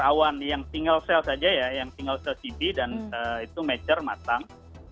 awan yang single cell saja ya yang single cell cb dan itu major matang